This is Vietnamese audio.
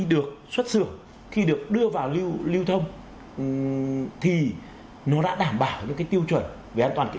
được xuất sửa khi được đưa vào lưu lưu thông thì nó đã đảm bảo những cái tiêu chuẩn về an toàn kỹ